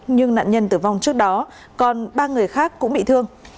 nhưng nạn nhân tử vong trước đó còn ba người khác cũng bị thương